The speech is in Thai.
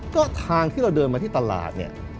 ก็ทางที่เราเดินมาที่ตลาดเนี่ย